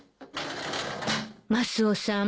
マスオさん